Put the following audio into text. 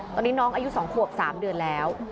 ตอนนี้น้องอายุ๒ขวบ๓เดือนแล้ว